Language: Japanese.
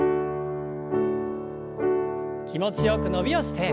気持ちよく伸びをして。